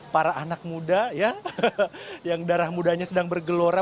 para anak muda ya yang darah mudanya sedang bergelora